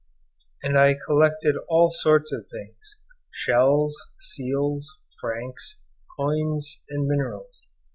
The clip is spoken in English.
and collected all sorts of things, shells, seals, franks, coins, and minerals.